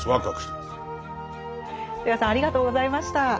戸谷さんありがとうございました。